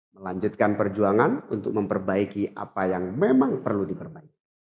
melanjutkan perjuangan untuk memperbaiki apa yang memang perlu diperbaiki